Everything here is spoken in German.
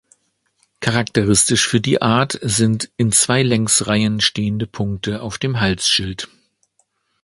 Charakteristisch für die Art sind in zwei Längsreihen stehende Punkte auf dem Halsschild.